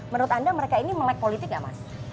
menurut anda mereka ini melek politik gak mas